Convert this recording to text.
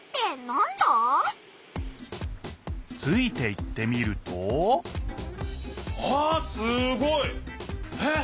ついていってみるとあすごい！えっ！？